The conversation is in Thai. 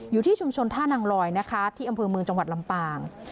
อยู่ที่ชุมชนท่านังลอยนะคะที่อำเภอเมืองจังหวัดลำปาง